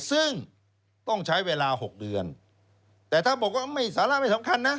ซึ่งต้องใช้เวลา๖เดือนแต่ถ้าบอกว่าไม่สาระไม่สำคัญนะ